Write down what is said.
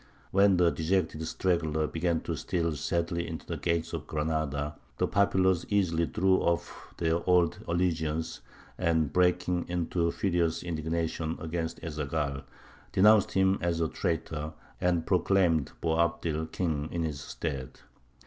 When the dejected stragglers began to steal sadly into the gates of Granada, the populace easily threw off their old allegiance, and breaking into furious indignation against Ez Zaghal, denounced him as a traitor, and proclaimed Boabdil king in his stead.